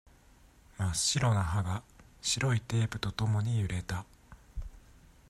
真っ白な歯が、白いテープとともにゆれた。